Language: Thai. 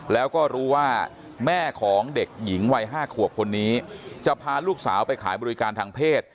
แล้วก็รู้ว่าแม่ของเด็กหญิงวัย๕ขวบคนนี้จะพาลูกสาวไปขายบริการทางเพศ